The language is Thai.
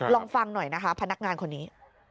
ลองฟังหน่อยนะคะพนักงานคนนี้